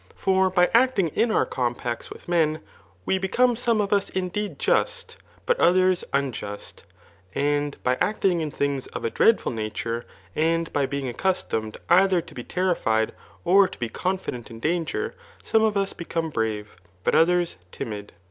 Hot by acting in our compacts with men, we become some of us indeed just, but others unjust ; and by acting in things of a dreadful nature, yid by bmg accustomed either tp be terrified or to be cpnfident in danger^ some of usbecome brave, but otb^a t)izH4.